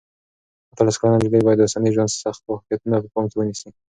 اتلس کلنه نجلۍ باید د اوسني ژوند سخت واقعیتونه په پام کې ونیسي.